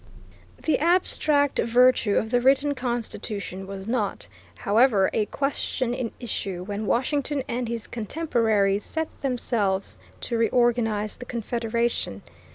The abstract virtue of the written Constitution was not, however, a question in issue when Washington and his contemporaries set themselves to reorganize the Confederation.